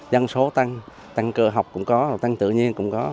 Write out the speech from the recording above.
dân số tăng tăng cơ học cũng có tăng tự nhiên cũng có